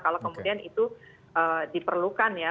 kalau kemudian itu diperlukan ya